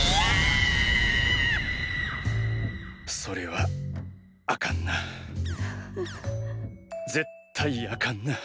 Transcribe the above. それはあかんな。